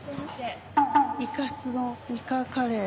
「イカス丼いかカレー」。